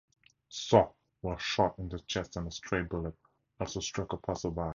Soh was shot in the chest and a stray bullet also struck a passerby.